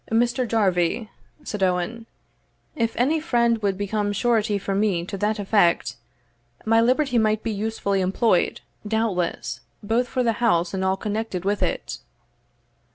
"Mr. Jarvie," said Owen, "if any friend would become surety for me to that effect, my liberty might be usefully employed, doubtless, both for the house and all connected with it."